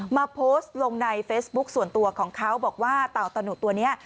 มาโพสต์ลงในเฟซบุ๊คส่วนตัวของเขาบอกว่าเต่าตะหนุตัวนี้